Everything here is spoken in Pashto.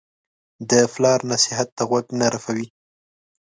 د پلار نصیحت ته غوږ نه رپوي.